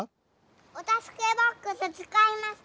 おたすけボックスつかいますか？